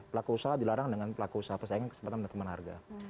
pelaku usaha dilarang dengan pelaku usaha persaingan kesepakatan menetapkan harga